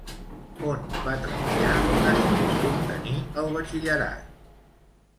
On va treballar després d'obtenir el batxillerat?